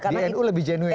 di nu lebih jenuin ya